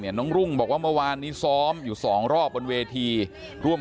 แล้วนิวรุ่งบอกว่ามันวานนี้ซ้อมอยู่๒รอบบนเวทีรวม